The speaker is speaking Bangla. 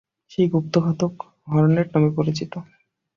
সেই গুপ্তঘাতক হরনেট নামে পরিচিত।